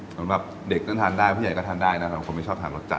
เหมือนแบบเด็กก็ทานได้พี่ใหญ่ก็ทานได้นะครับคนไม่ชอบทานรสจัด